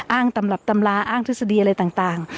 ตำรับตำราอ้างทฤษฎีอะไรต่าง